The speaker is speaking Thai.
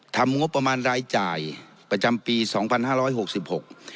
ทำงบประมาณรายจ่ายประจำปีสองพันห้าร้อยหกสิบหก